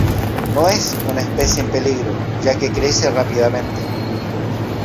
No es una especie en peligro, ya que crece rápidamente.